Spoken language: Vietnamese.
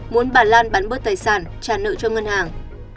muốn bà lan bán bớt tài sản trả nợ cho ngân hàng